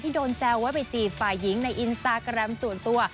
โดนแซวว่าไปจีบฝ่ายหญิงในอินสตาแกรมส่วนตัว